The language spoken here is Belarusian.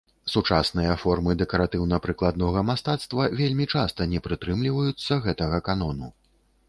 Сучасныя формы дэкаратыўна прыкладнога мастацтва вельмі часта не прытрымліваюцца гэтага канону.